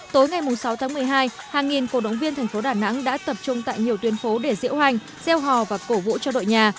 tối ngày sáu tháng một mươi hai hàng nghìn cổ động viên thành phố đà nẵng đã tập trung tại nhiều tuyến phố để diễu hành gieo hò và cổ vũ cho đội nhà